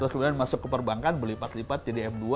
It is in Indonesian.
terus kemudian masuk ke perbankan berlipat lipat jadi f dua gitu